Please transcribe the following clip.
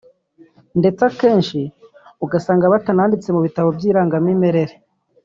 ndetse akenshi ugasanga batananditse mu bitabo by’irangamimerere